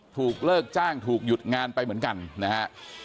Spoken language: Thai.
ถูกเลิกจ้างถูกหยุดงานไปเหมือนกันนะฮะ